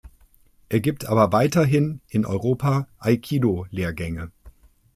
Er gibt aber weiterhin in Europa Aikidō-Lehrgänge.